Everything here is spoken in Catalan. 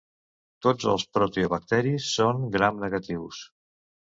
Tots els proteobacteris són gram-negatius.